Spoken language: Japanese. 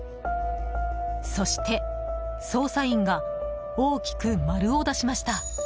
そして、捜査員が大きく丸を出しました。